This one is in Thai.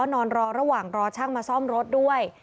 นอนรอระหว่างรอช่างมาซ่อมรถด้วย